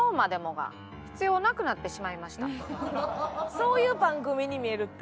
そういう番組に見えるって。